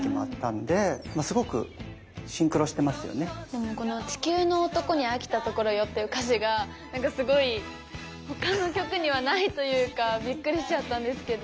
でもこの「地球の男にあきたところよ」っていう歌詞がなんかすごい他の曲にはないというかびっくりしちゃったんですけど。